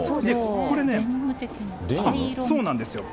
これね、そうなんですよ。